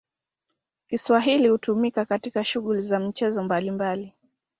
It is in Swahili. Kiswahili hutumika katika shughuli za michezo mbalimbali.